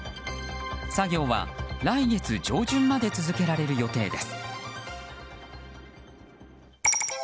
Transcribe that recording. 作業は来月上旬まで続けられる予定です。